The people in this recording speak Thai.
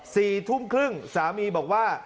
สี่ทุ่มครึ่งสามีบอกว่า